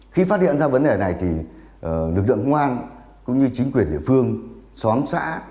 khi phát hiện ra vấn đề này thì lực lượng ngoan cũng như chính quyền địa phương xóm xã